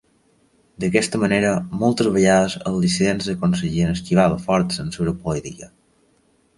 D'aquesta manera, moltes vegades els dissidents aconseguien esquivar la forta censura política.